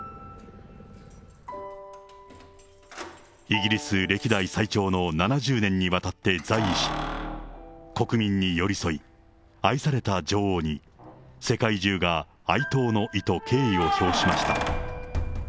イギリス歴代最長の７０年にわたって在位し、国民に寄り添い、愛された女王に、世界中が哀悼の意と敬意を表しました。